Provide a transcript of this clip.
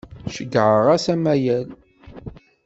Ceyyɛeɣ-as amayel.